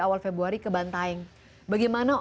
awal februari ke bantaing bagaimana